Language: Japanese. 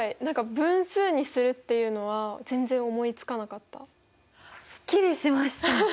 何か分数にするっていうのは全然思いつかなかった。